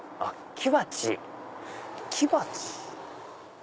木鉢？